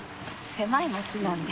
狭い町なんで。